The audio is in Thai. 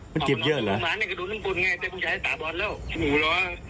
มันเก็บเยอะเหรอ